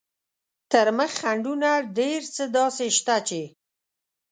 تر مخ خنډونه ډېر څه داسې شته چې.